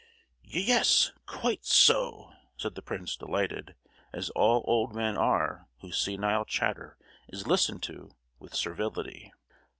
"Ye—yes! quite so!" said the prince, delighted—as all old men are whose senile chatter is listened to with servility.